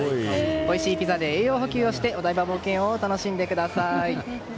おいしいピザで栄養補給をしてお台場冒険王を楽しんでください。